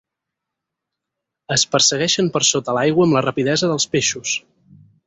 Es persegueixen per sota l'aigua amb la rapidesa dels peixos.